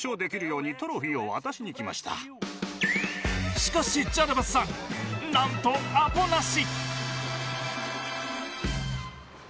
しかし、ジャルバスさん何とアポなし。